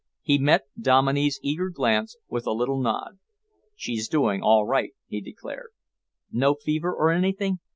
He met Dominey's eager glance with a little nod. "She's doing all right," he declared. "No fever or anything?"